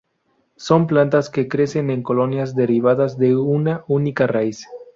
Son plantas que crecen en colonias derivadas de una única raíz.